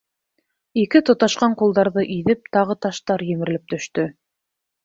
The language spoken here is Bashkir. Ике тоташҡан ҡулдарҙы иҙеп тағы таштар емерелеп төштө.